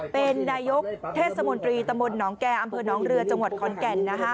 เป็นนายกเทศมนตรีตำบลหนองแก่อำเภอน้องเรือจังหวัดขอนแก่น